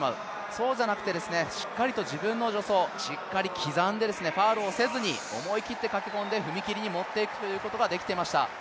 そうじゃなくて、しっかりと自分の助走、しっかり刻んで、ファウルをせずに思い切って駆け込んで踏み切りに持っていくことができていました。